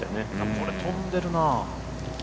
これ、飛んでるな。